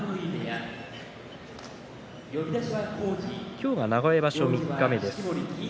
今日は名古屋場所三日目です。